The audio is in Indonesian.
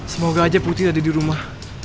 semoga aja putih ada di rumah